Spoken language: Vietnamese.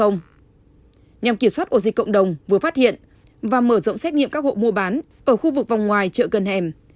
nhằm kiểm soát ổ dịch cộng đồng vừa phát hiện và mở rộng xét nghiệm các hộ mua bán ở khu vực vòng ngoài chợ gần hẻm